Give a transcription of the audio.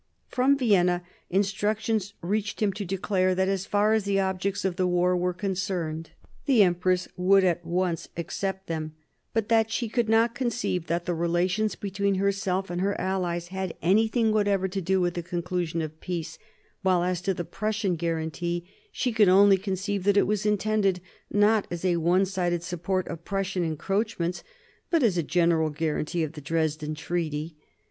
From Vienna instructions reached him to declare that as far as the objects of the war were concerned the 1745 48 WAR OF SUCCESSION 61 empress would at once accept them, bat that she could not conceive that the relations between herself and her allies had anything whatever to do with the conclusion of peace ; while as to the Prussian guarantee, she could only conceive that it was intended, not as a one sided support of Prussian encroachments, but as a general guarantee of the Dresden Treaty.